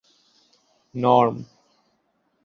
Norm.